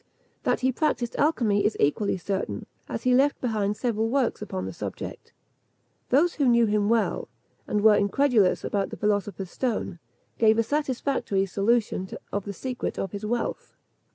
That he practised alchymy is equally certain, as he left behind several works upon the subject. Those who knew him well, and who were incredulous about the philosopher's stone, give a satisfactory solution of the secret of his wealth.